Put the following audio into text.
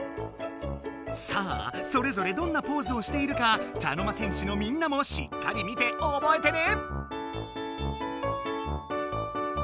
さぁそれぞれどんなポーズをしているか茶の間戦士のみんなもしっかり見ておぼえてね！